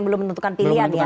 belum menentukan pilihan gitu